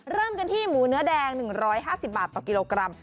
เริ่มกันที่หมูเนื้อแดง๑๕๐บาทต่อกิโลกรัม